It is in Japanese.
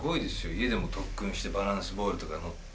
いえでもとっくんしてバランスボールとかのって。